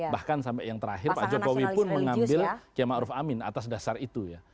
bahkan sampai yang terakhir pak jokowi pun mengambil kiamat arif amin atas dasar itu ya